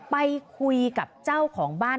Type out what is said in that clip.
ไปคุยกับเจ้าของบ้าน